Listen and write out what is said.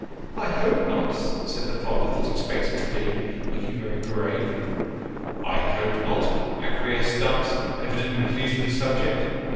I hope not," said the father that expected to be, looking very grave. " I hope not," acquiesced Dumps, evidently pleased with the subject.